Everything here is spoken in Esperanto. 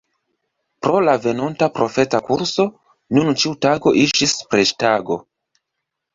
Pro la venonta profeta kurso nun ĉiu tago iĝis preĝtago.